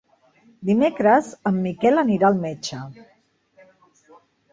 Dimecres en Miquel anirà al metge.